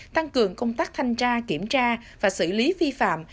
tăng cường công tác thanh tra kiểm tra và xử lý vi phạm